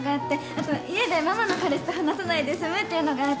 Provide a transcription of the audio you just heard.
あと家でママの彼氏と話さないで済むっていうのがあって